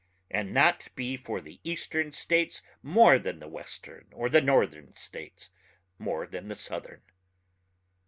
and not be for the eastern states more than the western or the northern states more than the southern.